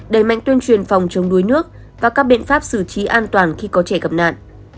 đẩy mạnh tuyên truyền phòng chống đuối nước và các biện pháp xử trí an toàn khi có trẻ gặp nạn